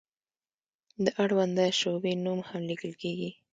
د اړونده شعبې نوم هم لیکل کیږي.